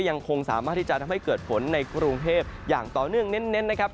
ยังคงสามารถที่จะทำให้เกิดฝนในกรุงเทพอย่างต่อเนื่องเน้นนะครับ